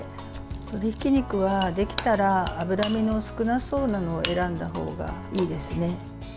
鶏ひき肉はできたら脂身の少なそうなのを選んだほうがいいですね。